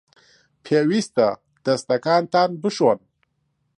پێویستە دەستەکانتان بشۆن.